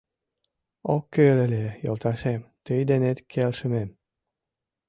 Ок кӱл ыле, йолташем, тый денет келшымем